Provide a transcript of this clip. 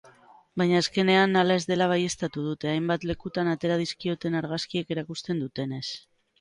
Baina azkenean hala ez dela baieztatu dute, hainbat lekutan atera dizkioten argazkiek erakusten dutenez.